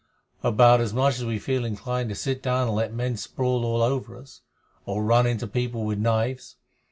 "About as much as we feel inclined to sit down and let men sprawl all over us, or run into people with knives.